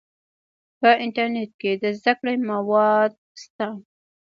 په انټرنیټ کې د زده کړې مواد شته.